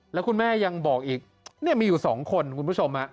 แล้วคุณแม่ยังบอกอีกเนี่ยมีอยู่๒คนคุณผู้ชม